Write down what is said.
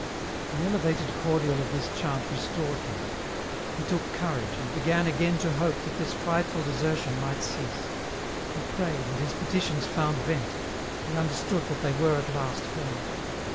The elevated cordial of this chant restored him. He took courage, and began again to hope that this frightful deser tion might cease ; he prayed, and his petitions found vent ; he understood that they were at last heard.